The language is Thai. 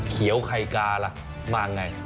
เขียวไข่กาล่ะมาไง